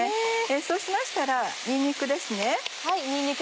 そうしましたらにんにくですね。